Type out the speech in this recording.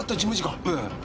ええ。